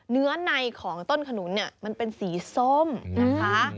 เนื้อในของต้นขนุนเนี่ยมันเป็นสีส้มนะคะ